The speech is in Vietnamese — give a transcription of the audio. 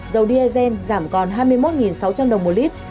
dầu diagen giảm còn hai mươi một sáu trăm linh đồng mỗi lít